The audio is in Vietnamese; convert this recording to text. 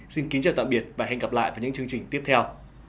xin kính chào tạm biệt và hẹn gặp lại vào những chương trình tiếp theo